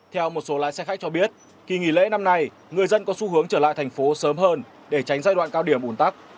theo một số lái xe khách cho biết kỳ nghỉ lễ năm nay người dân có xu hướng trở lại thành phố sớm hơn để tránh giai đoạn cao điểm ủn tắc